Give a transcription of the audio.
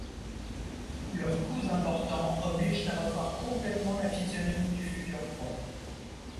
Leurs coûts importants obligent à revoir complètement la physionomie du futur pont.